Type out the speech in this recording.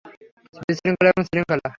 বিশৃঙ্খলা এবং শৃঙ্খলা।